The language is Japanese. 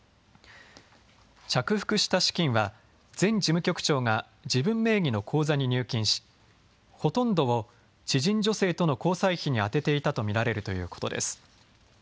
着服した資金は前事務局長が自分名義の口座に入金し、ほとんどを知人女性との交際費に充てていたと見られるということです。